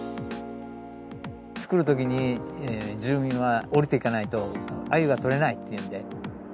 作るときに、住民は、下りていかないとアユが取れないっていうんで。